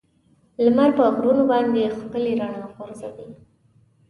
لمر په غرونو باندې ښکلي رڼا غورځوي.